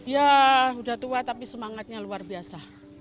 ya sudah tua tapi semangatnya luar biasa